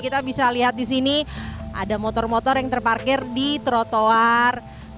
kita bisa lihat di sini ada motor motor yang terparkir di trotoar